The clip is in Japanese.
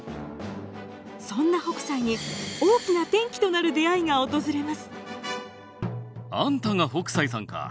そんな北斎に大きな転機となる出会いが訪れます。